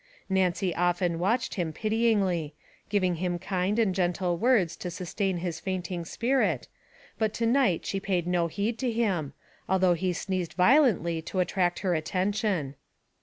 Nancy often watched him pity ingly, giving him kind and gentle words to sustain his fainting spirit, but to night she paid no heed to him, although he sneezed violently to attract her attention."